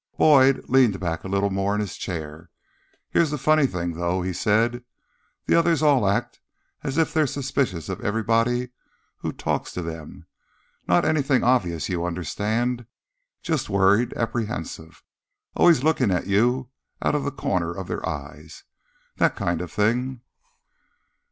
Boyd leaned back a little more in his chair. "Here's the funny thing, though," he said. "The others all act as if they're suspicious of everybody who talks to them. Not anything obvious, you understand. Just worried, apprehensive. Always looking at you out of the corners of their eyes. That kind of thing."